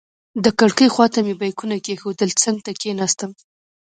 د کړکۍ خواته مې بیکونه کېښودل، څنګ ته کېناستم.